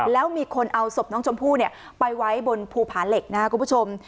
แล้วมีคนเอาศพน้องชมพู่ไปไว้บนภูผาเหล็กนะครับคุณผู้ชม